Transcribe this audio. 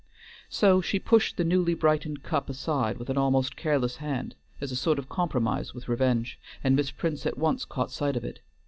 So she pushed the newly brightened cup aside with an almost careless hand, as a sort of compromise with revenge, and Miss Prince at once caught sight of it.